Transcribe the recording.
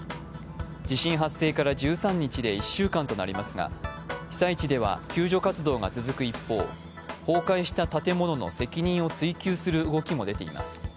地震発生から１３日で１週間となりますが被災地では救助活動が続く一方、崩壊した建物の責任を追及する動きも出ています。